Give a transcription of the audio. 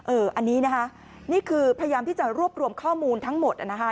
อันนี้นะคะนี่คือพยายามที่จะรวบรวมข้อมูลทั้งหมดนะคะ